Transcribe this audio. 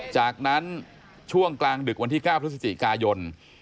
จากนั้นช่วงกลางดึกวันที่๙พฤศจิกายน